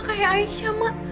kayak aisyah mah